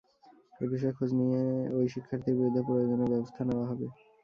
এ বিষয়ে খোঁজ নিয়ে ওই শিক্ষার্থীর বিরুদ্ধে প্রয়োজনীয় ব্যবস্থা নেওয়া হবে।